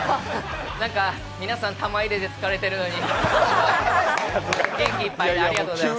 なんか皆さん玉入れで疲れているのに、元気いっぱい、ありがとうございます。